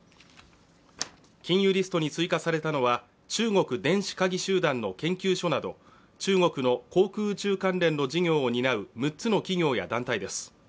禁輸リストに追加されたのは、中国電子科技集団の研究所など中国の航空・宇宙関連の事業を担う６つの企業や団体です。